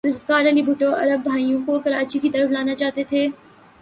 ذوالفقار علی بھٹو عرب بھائیوں کو کراچی کی طرف لانا چاہتے تھے۔